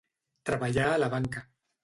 Treballà a la banca.